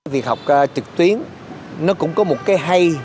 việc học trực tuyến nó cũng có một cái hay